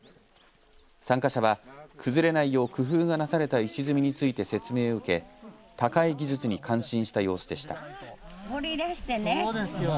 参加者は崩れないよう工夫がなされた石積みについて説明を受け高い技術に感心した様子でした。